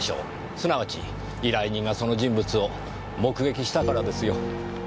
すなわち依頼人がその人物を目撃したからですよ。